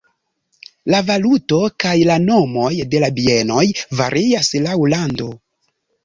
La valuto kaj la nomoj de la bienoj varias laŭ lando.